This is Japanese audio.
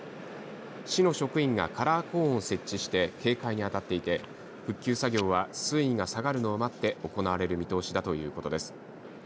市の職員がカラーコーンを設置して警戒にあたっていて復旧作業は水位が下がるのを待って行われる見通しだということです。